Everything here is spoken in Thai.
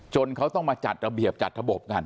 เขาต้องมาจัดระเบียบจัดระบบกัน